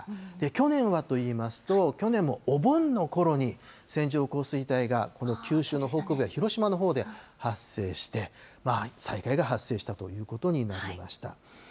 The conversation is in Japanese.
去年はといいますと、去年もお盆のころに、線状降水帯が、この九州の北部や広島のほうで発生して、災害が発生したということになりました。